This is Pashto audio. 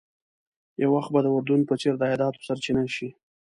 یو وخت به د اردن په څېر د عایداتو سرچینه شي.